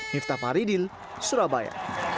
miftah paridil surabaya